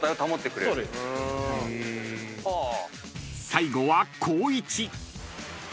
［最後は光一］